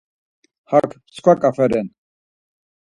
Hak mskva ǩafe ren.